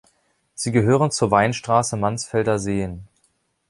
Sie gehören zur Weinstraße Mansfelder Seen.